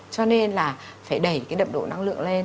cho nên là phải đẩy cái đậm độ năng lượng lên